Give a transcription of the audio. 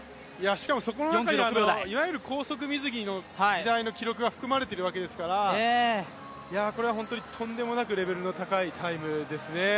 しかも、そこの中でいわゆる高速水着の時代の記録も含まれているわけですから、これは本当にとんでもなくレベルの高いタイムですね。